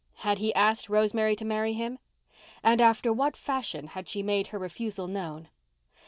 Had he asked Rosemary to marry him? And after what fashion had she made her refusal known?